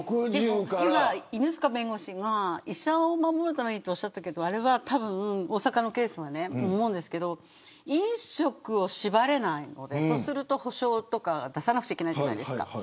今、犬塚弁護士が医者を守るためにとおっしゃったけど大阪のケースは思うんですけど飲食を縛れないそうすると補償とか出さなければいけないじゃないですか。